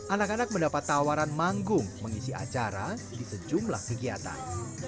anak anak mendapat tawaran manggung mengisi acara di sejumlah kegiatan